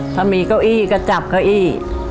ถ้ามีเก้าอี้ก็จับเก้าอี้